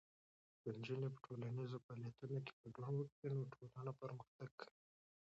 که نجونې په ټولنیزو فعالیتونو کې ګډون وکړي، نو ټولنه پرمختګ کوي.